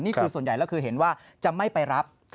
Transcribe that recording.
ส่วนใหญ่แล้วคือเห็นว่าจะไม่ไปรับ